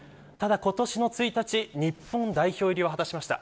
今年の１日に日本代表入りを果たしました。